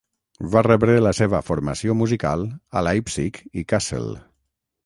Va rebre la seva formació musical a Leipzig i Kassel.